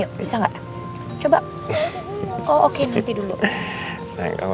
aku dengar kipas rambutmu di dunia negeri sebenarnya